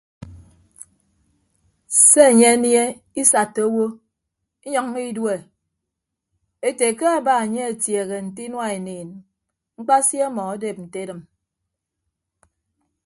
Se enye anie isatta awo inyʌññọ idue ete ke aba enye atieehe nte inua eniin mkpasi ọmọ adep nte edịm.